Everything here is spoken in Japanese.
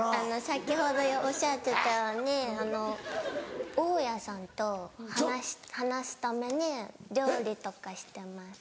先ほどおっしゃってたように大家さんと話すために料理とかしてます。